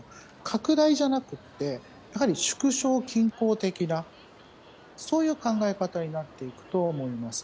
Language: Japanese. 拡大じゃなくて、やはり縮小均衡的な、そういう考え方になっていくと思います。